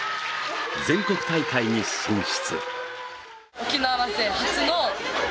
全国大会に進出。